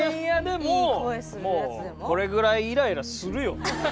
もうこれぐらいイライラするよ。